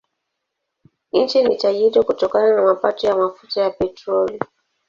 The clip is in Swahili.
Nchi ni tajiri kutokana na mapato ya mafuta ya petroli.